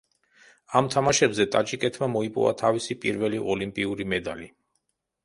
ამ თამაშებზე ტაჯიკეთმა მოიპოვა თავისი პირველი ოლიმპიური მედალი.